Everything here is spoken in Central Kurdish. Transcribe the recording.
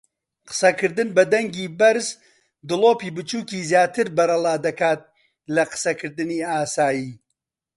قسەکردن بە دەنگی بەرز دڵۆپی بچووکی زیاتر بەرەڵادەکات لە قسەکردنی ئاسایی.